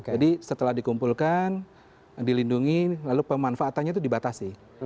jadi setelah dikumpulkan dilindungi lalu pemanfaatannya itu dibatasi